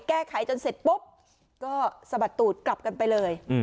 แก้ไขจนเสร็จปุ๊บก็สะบัดตูดกลับกันไปเลย